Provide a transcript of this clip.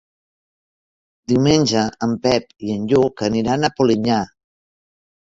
Diumenge en Pep i en Lluc aniran a Polinyà.